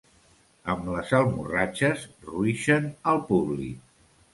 Amb les almorratxes ruixen al públic.